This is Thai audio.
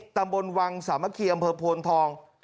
ตำบลวังสามัคคีอำเภอโพนทอง